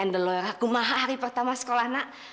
dan lo rakum maha hari pertama sekolah nak